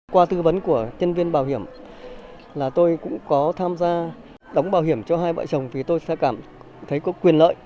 qua tư vấn của nhân viên bảo hiểm là tôi cũng có tham gia đóng bảo hiểm cho hai vợ chồng thì tôi sẽ cảm thấy có quyền lợi